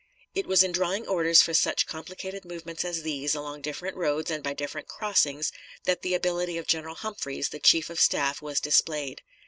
It was in drawing orders for such complicated movements as these, along different roads and by different crossings, that the ability of General Humphreys, the chief of staff, was displayed.